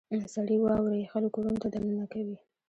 • سړې واورې خلک کورونو ته دننه کوي.